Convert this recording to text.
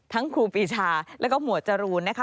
ครูปีชาแล้วก็หมวดจรูนนะคะ